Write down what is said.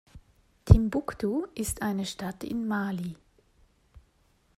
Timbuktu ist eine Stadt in Mali.